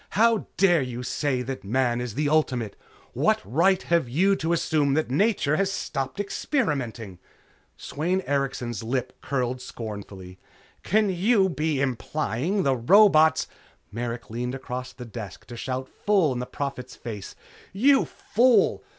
"How dare you say that Man is the ultimate? What right have you to assume that nature has stopped experimenting?" Sweyn Erikson's lip curled scornfully. "Can you be implying that the robots " Merrick leaned across the desk to shout full in the Prophet's face: "_You fool!